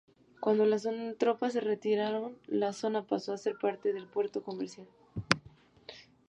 Cuando las tropas se retiraron, la zona pasó a ser parte del puerto comercial.